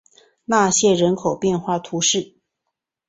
纳谢人口变化图示